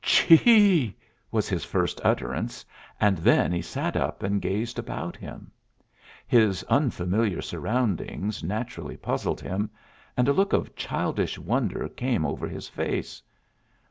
"Chee!" was his first utterance, and then he sat up and gazed about him. His unfamiliar surroundings naturally puzzled him, and a look of childish wonder came over his face.